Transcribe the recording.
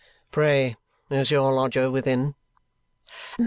"Pray is your lodger within?"